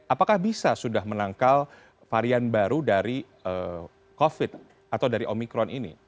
apakah bisa sudah menangkal varian baru dari covid atau dari omikron ini